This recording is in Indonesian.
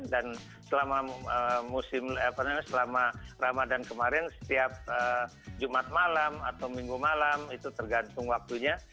dan selama musim selama ramadhan kemarin setiap jumat malam atau minggu malam itu tergantung waktunya